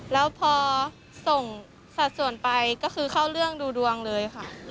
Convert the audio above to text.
แล้วพอส่งสัดส่วนไปก็คือเข้าเรื่องดูดวงเลยค่ะ